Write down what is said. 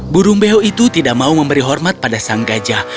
burung beho itu tidak mau memberi hormat pada sang gajah